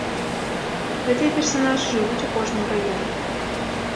Гэтыя персанажы жывуць у кожным раёне.